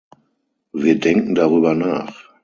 Wir denken darüber nach.